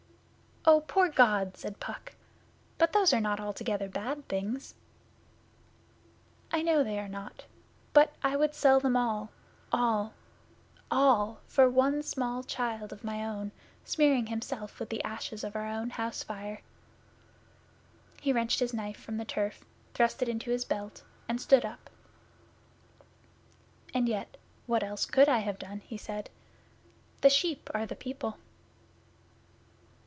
'Oh, poor God!' said Puck. 'But those are not altogether bad things.' 'I know they are not; but I would sell them all all all for one small child of my own, smearing himself with the ashes of our own house fire.' He wrenched his knife from the turf, thrust it into his belt and stood up. 'And yet, what else could I have done?' he said. 'The sheep are the people.